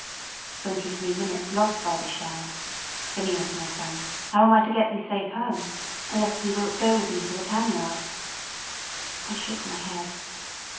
"Twenty three minutes lost by this shower. Phineas, my son, how am I to get thee safe home? unless thee wilt go with me to the tan yard " I shook my head.